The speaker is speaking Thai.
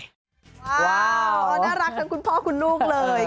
ว้าวไะน่ารักค่ะคุณพ่อคุณลูกเลย